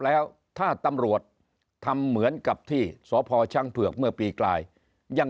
แล้วถ้าตำรวจทำเหมือนกับที่สพช้างเผือกเมื่อปีกลายยัง